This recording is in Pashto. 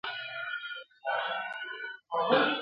اووه کاله خلکو وکرل کښتونه ..